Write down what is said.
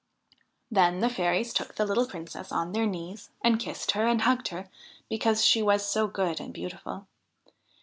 Then the fairies took the little Princess on their knees, and kissed her and hugged her because she was so good and beautiful.